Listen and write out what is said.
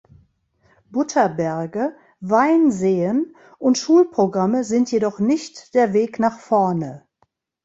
Butterberge, Weinseen und Schulprogramme sind jedoch nicht der Weg nach vorne.